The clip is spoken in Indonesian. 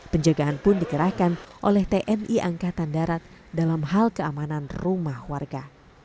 penjagaan pun dikerahkan oleh tni angkatan darat dalam hal keamanan rumah warga